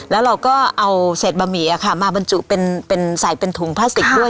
แล้วเราก็เอาเศษบะหมี่มาบรรจุเป็นใส่เป็นถุงพลาสติกด้วย